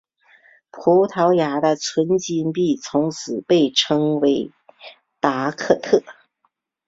匈牙利的纯金币从此被称为达克特。